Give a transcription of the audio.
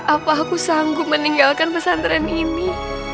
apa aku sanggup meninggalkan pesantren ini